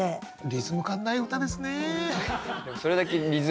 リズム感ない歌ですね。